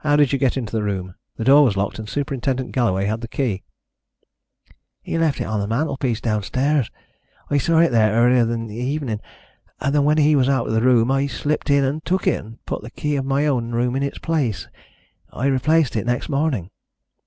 "How did you get into the room? The door was locked, and Superintendent Galloway had the key." "He left it on the mantelpiece downstairs. I saw it there earlier in the evening, and when he was out of the room I slipped in and took it, and put the key of my own room in its place. I replaced it next morning."